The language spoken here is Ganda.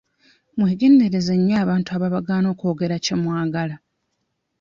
Mwegendereze nnyo abantu ababagaana okwogera kye mwagala.